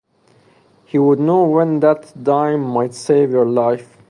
He would know when that dime might save your life.